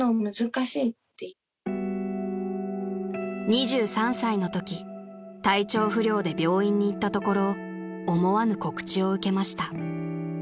［２３歳のとき体調不良で病院にいったところ思わぬ告知を受けました］